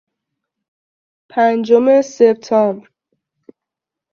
پنجم سپتامبر